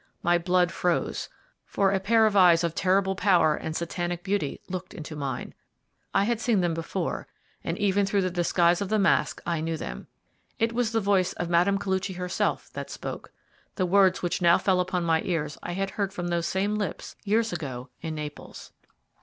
My blood froze, for a pair of eyes of terrible power and Satanic beauty looked into mine. I had seen them before, and even through the disguise of the mask I knew them. It was the voice of Mme. Koluchy herself that spoke. The words which now fell upon my ears I had heard from those same lips years ago in Naples.